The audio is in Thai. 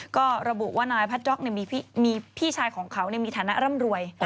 ก็ระบุว่านายพัดจ๊อกมีพี่ชายของเขามีฐานะร่ำรวย